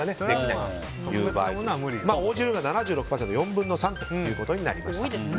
ただ、応じるが７６％４分の３ということになりました。